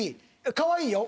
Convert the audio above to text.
かわいいよ。